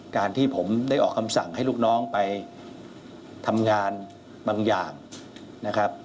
การที่ผมได้ออกคำสั่งให้ลูกน้องไปทำงานบางอย่างนะครับ